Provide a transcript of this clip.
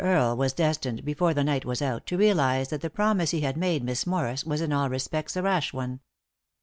ari.k was destined, before the night was out, to realise that the promise he had made Miss Morris was in all respects a rash one.